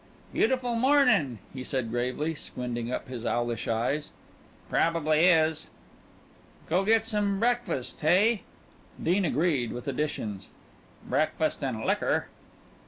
"Beautiful morning," he said gravely, squinting up his owlish eyes. "Probably is." "Go get some breakfast, hey?" Dean agreed with additions. "Breakfast and liquor."